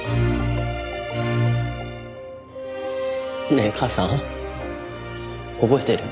ねえ母さん覚えてる？